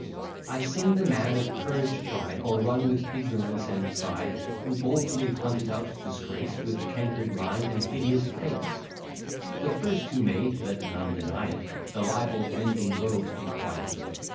I sing the man of courage tried, O'errun with ignorance and pride, Who boldly hunted out disgrace With canker'd mind, and hideous face; The first who made (let none deny it) The libel vending rogues be quiet.